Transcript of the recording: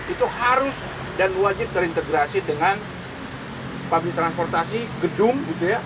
itu harus dan wajib terintegrasi dengan public transportasi gedung gitu ya